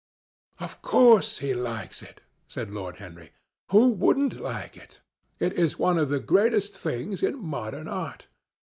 "Of course he likes it," said Lord Henry. "Who wouldn't like it? It is one of the greatest things in modern art.